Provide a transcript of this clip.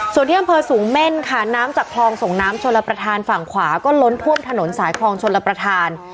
ส่วนที่อำเภอสูงเม่นค่ะน้ำจากคลองส่งน้ำชลประธานฝั่งขวาก็ล้นท่วมถนนสายคลองชนรับประทาน